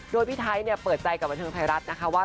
โดยพี่ไทยเปิดใจกับบันเทิงไทยรัฐนะคะว่า